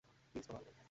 Please, বাবা।